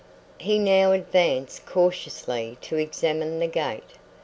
He now advanced cautiously to examine the gate.